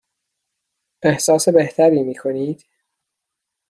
احساس بهتری می کنید؟